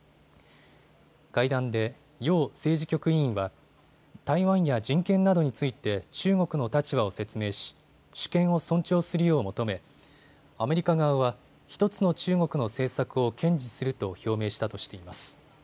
会談で楊政治局委員は台湾や人権などについて中国の立場を説明し主権を尊重するよう求めアメリカ側は１つの中国の政策を堅持すると表明したとしています。